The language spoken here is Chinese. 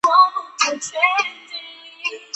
以在太行山之东而得名。